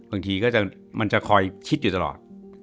บางทีก็มันจะคอยคิดอยู่ตลอด